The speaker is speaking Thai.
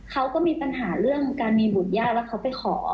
เขาก็มีปัญหาเรื่องการมีบุตรญาติแล้วเขาไปขอ